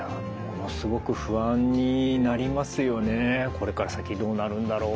これから先どうなるんだろう？